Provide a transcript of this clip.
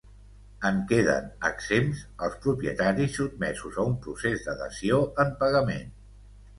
En queden exempts els propietaris sotmesos a un procés de dació en pagament.